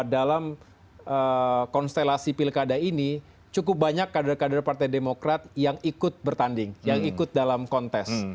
dalam konstelasi pilkada ini cukup banyak kader kader partai demokrat yang ikut bertanding yang ikut dalam kontes